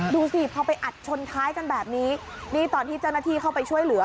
ดูสิพอไปอัดชนท้ายกันแบบนี้นี่ตอนที่เจ้าหน้าที่เข้าไปช่วยเหลือ